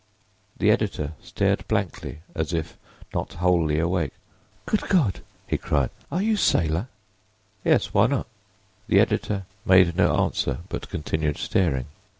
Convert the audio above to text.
The editor stared blankly as if not wholly awake. "Good God!" he cried, "are you Saylor?" "Yes—why not?" The editor made no answer, but continued staring.